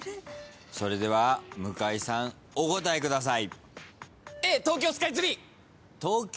それでは向井さんお答えください。